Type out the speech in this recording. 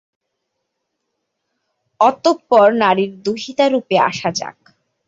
অতঃপর নারীর দুহিতারূপে আসা যাক।